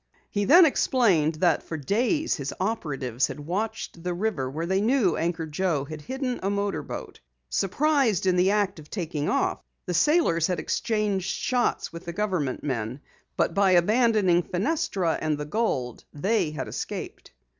He then explained that for days his operatives had watched the river where they knew Anchor Joe had hidden a motorboat. Surprised in the act of taking off, the sailors had exchanged shots with the government men, but by abandoning Fenestra and the gold, they had escaped.